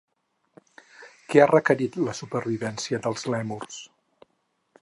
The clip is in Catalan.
Què ha requerit la supervivència dels lèmurs?